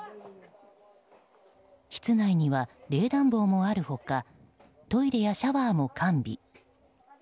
室内には冷暖房もある他トイレやシャワーも完備。